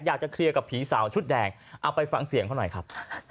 อยากจะเคลียร์กับผีสาวชุดแดงเอาไปฟังเสียงเขาหน่อยครับ